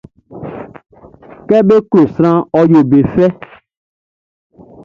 Kɛ be klo sranʼn, ɔ yo be fɛ.